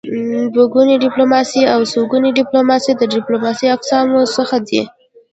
دوه ګوني ډيپلوماسي او څوګوني ډيپلوماسي د ډيپلوماسی د اقسامو څخه دي.